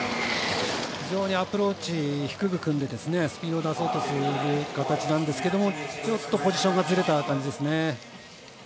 非常にアプローチ低く飛んでスピードを出そうとする形なんですがちょっとポジションがずれた感じですね。